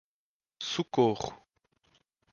Socorro